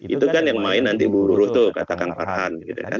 itu kan yang main nanti buruh buruh tuh kata kang farhan